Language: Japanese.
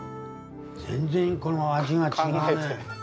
全然この味が違うね。